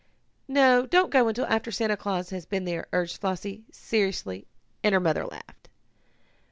"No, don't go until after Santa Claus has been here," urged Flossie seriously, and her mother laughed.